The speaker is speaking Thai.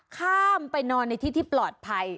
ข้ามไปนอนในที่ที่ปลอดภัย